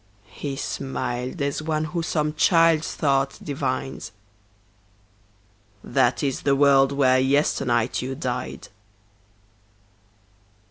He smiled as one who some child's thought divines: "That is the world where yesternight you died."